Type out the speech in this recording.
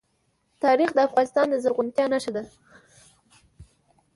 تاریخ د افغانستان د زرغونتیا نښه ده.